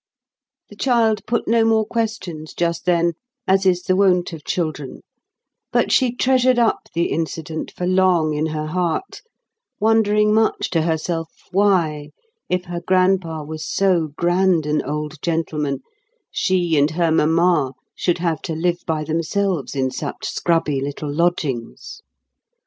The child put no more questions just then as is the wont of children; but she treasured up the incident for long in her heart, wondering much to herself why, if her grandpa was so grand an old gentleman, she and her mamma should have to live by themselves in such scrubby little lodgings.